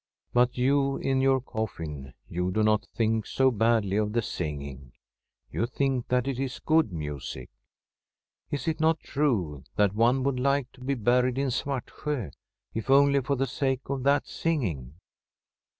But you in your coffin, you do not think so I 347 1 From a SWEDISH HOMESTEAD badly of the singing. You think that it is good music. Is it not true that one would like to be buried in Svartsjo, if only for the sake of that singing?